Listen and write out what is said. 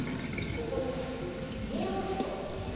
ここに銀を打つと。